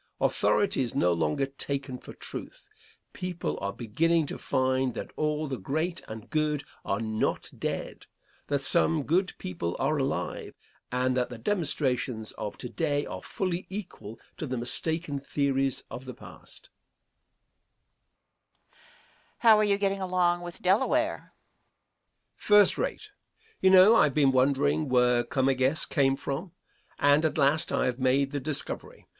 Authority is no longer taken for truth. People are beginning to find that all the great and good are not dead that some good people are alive, and that the demonstrations of to day are fully equal to the mistaken theories of the past. Question. How are you getting along with Delaware? Answer. First rate. You know I have been wondering where Comegys came from, and at last I have made the discovery.